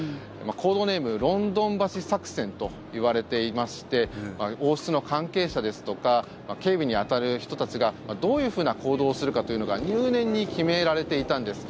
コードネーム、ロンドン橋作戦といわれていまして王室の関係者ですとか警備に当たる人たちがどういう行動をするかというのが入念に決められていたんです。